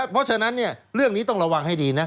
เพราะฉะนั้นเรื่องนี้ต้องระวังให้ดีนะ